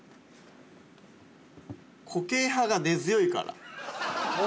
固形派が根強いから。